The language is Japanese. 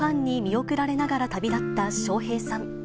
多くのファンに見送られながら旅立った笑瓶さん。